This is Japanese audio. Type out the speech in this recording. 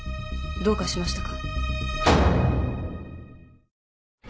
どうかしましたか？